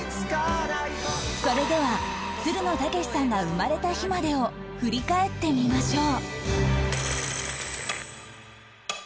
それではつるの剛士さんが生まれた日までを振り返ってみましょう